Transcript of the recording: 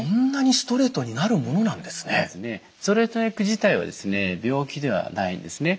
ストレートネック自体はですね病気ではないんですね。